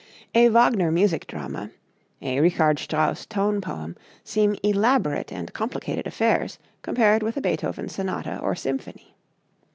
A Wagner music drama, a Richard Strauss tone poem, seem elaborate and complicated affairs compared with a Beethoven sonata or symphony.